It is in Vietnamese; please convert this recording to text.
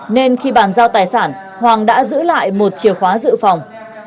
nên khi bàn giao tài sản hoàng đã giữ lại một chìa khóa dự phòng